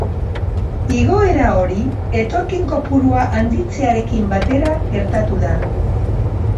Igoera hori etorkin kopurua handitzearekin batera gertatu da.